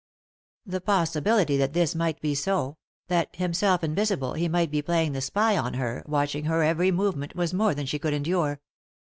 The possibility that this might be so ; that, him self invisible, he might be playing the spy on her, watching her every movement, was more than she could endure.